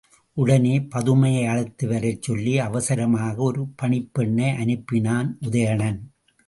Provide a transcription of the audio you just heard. உடனே பதுமையை அழைத்து வரச் சொல்லி அவசரமாக ஒரு பணிப்பெண்ணை அனுப்பினான் உதயணன்.